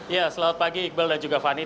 ya selamat pagi iqbal dan juga fani